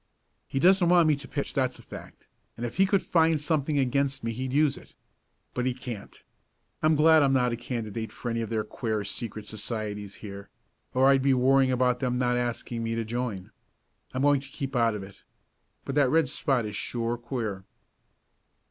"He doesn't want me to pitch, that's a fact, and if he could find something against me he'd use it. But he can't. I'm glad I'm not a candidate for any of their queer secret societies here, or I'd be worrying about them not asking me to join. I'm going to keep out of it. But that red spot is sure queer."